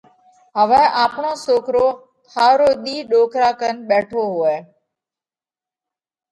هوَئہ آپڻو سوڪرو ۿارو ۮِي ڏوڪرا ڪنَ ٻيٺو هوئه۔